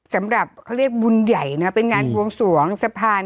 สำหรับเขาเรียกบุญใหญ่นะเป็นงานบวงสวงสะพาน